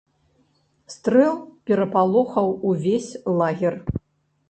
Стрэл перапалохаў увесь лагер.